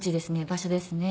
場所ですね。